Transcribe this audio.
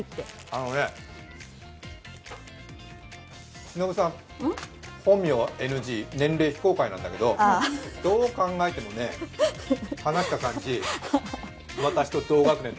あのね、しのぶさん、本名はＮＧ、年齢非公開なんだけど、どう考えてもね、話した感じ、私と同学年。